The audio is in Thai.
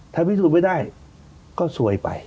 ถ้าภิกษุไม่ได้ก็โซยไป